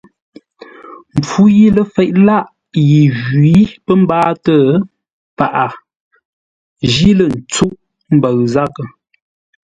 Mpfu yi ləfeʼ lâʼ yi njwǐ pə̌ mbáatə́, paghʼə jí lə́ ntsuʼə́ mbəʉ zághʼə.